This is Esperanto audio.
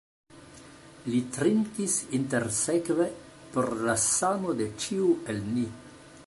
Li trinkis intersekve por la sano de ĉiu el ni.